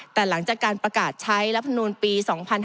แต่หลังจากการประกาศใช้รัฐมนูลปี๒๕๕๙